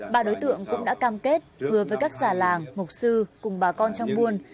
ba đối tượng cũng đã cam kết hứa với các già làng mục sư cùng bà con trong buôn